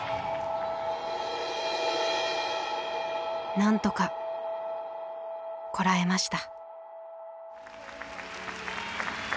なんとかこらえました。